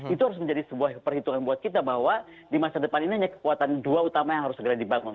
itu harus menjadi sebuah perhitungan buat kita bahwa di masa depan ini hanya kekuatan dua utama yang harus segera dibangun